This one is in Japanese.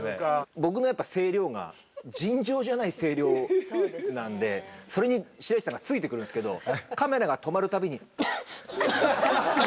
僕のやっぱ声量が尋常じゃない声量なんでそれに白石さんがついてくるんですけどカメラが止まるたびに。